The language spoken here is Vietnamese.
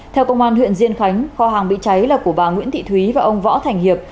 theo công an huyện diên khánh kho hàng bị cháy là của bà nguyễn thị thúy và ông võ thành hiệp